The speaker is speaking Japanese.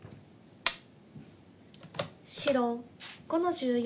白５の十四。